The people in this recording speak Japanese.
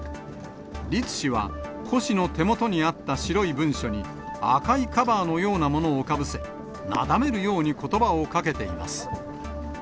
栗氏は、胡氏の手元にあった白い文書に、赤いカバーのようなものをかぶせ、なだめるようにことばをかけています。